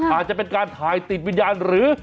อาจจะเป็นการถ่ายติดวิญญาณหรือ